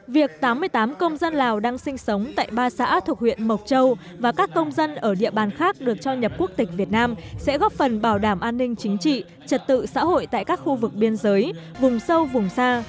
việc tám mươi tám công dân lào đang sinh sống tại ba xã thuộc huyện mộc châu và các công dân ở địa bàn khác được cho nhập quốc tịch việt nam sẽ góp phần bảo đảm an ninh chính trị trật tự xã hội tại các khu vực biên giới vùng sâu vùng xa